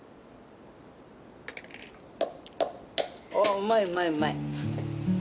うまいうまいうまい。